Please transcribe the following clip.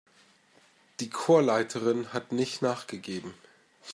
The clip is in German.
Die Chorleiterin hat nicht nachgegeben.